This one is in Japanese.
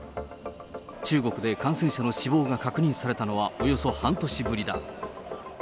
中国で感染者の死亡が確認されたのはおよそ半年ぶりだ。